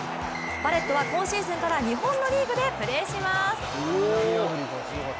バレットは、今シーズンから日本のリーグでプレーします。